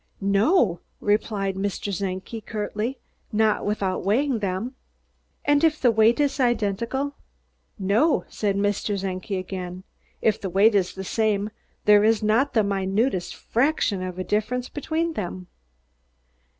"No," replied Mr. Czenki curtly, "not without weighing them." "And if the weight is identical?" "No," said Mr. Czenki again. "If the weight is the same there is not the minutest fraction of a difference between them."